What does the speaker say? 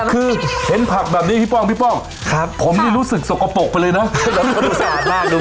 ซึ่งเห็นผักแบบนี้พี่ป้องผมนี่รู้สึกสกปรกไปเลยนะมันดูสะอาดมาก